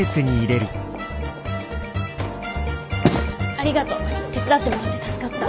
ありがとう手伝ってもらって助かった。